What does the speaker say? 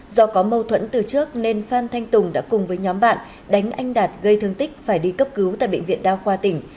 do có mâu thuẫn từ trước nên phan thanh tùng đã cùng với nhóm bạn đánh anh đạt gây thương tích phải đi cấp cứu tại bệnh viện